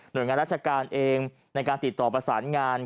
หน่วยงานรัชกาลเองในการติดต่อผสานงาน